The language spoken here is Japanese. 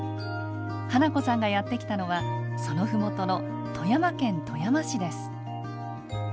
花子さんがやって来たのはその麓の富山県富山市です。